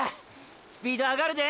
スピードあがるで！